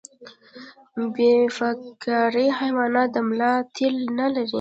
بې فقاریه حیوانات د ملا تیر نلري